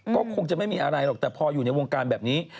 ก็คงจะไม่มีอะไรหรอกแต่พออยู่ในวงการแบบนี้